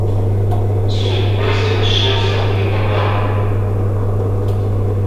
Судьбы свершился приговор!